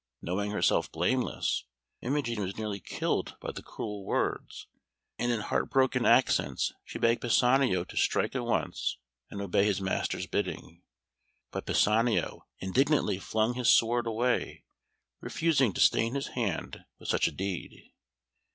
Knowing herself blameless, Imogen was nearly killed by the cruel words, and in heart broken accents she begged Pisanio to strike at once, and obey his master's bidding. But Pisanio indignantly flung his sword away, refusing to stain his hand with such a deed.